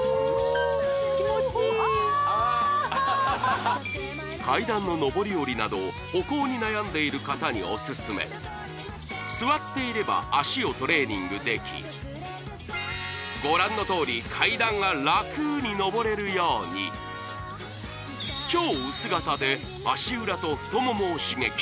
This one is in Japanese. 気持ちいいああはあハハッ階段の上り下りなど歩行に悩んでいる方にオススメ座っていれば脚をトレーニングできご覧のとおり階段がラクに上れるように超薄型で足裏と太ももを刺激